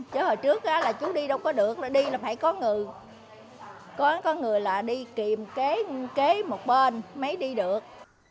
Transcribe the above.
chứ hồi trước là chú đi đâu có được đi là phải có người có người là đi kìm kế một bên mấy đi được